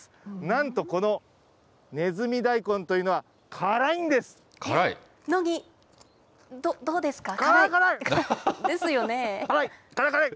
なんとこのねずみ大根というのは、辛い？のに、どうですか？